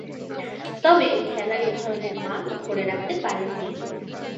তবে, খেলার এ ধরনের মান ধরে রাখতে পারেননি।